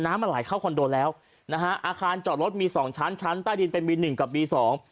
น้ำมันไหลเข้าคอนโดแล้วนะฮะอาคารจอดรถมีสองชั้นชั้นใต้ดินเป็นบีหนึ่งกับบีสอง